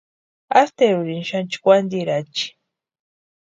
Asterurini xani chʼkwantirachi.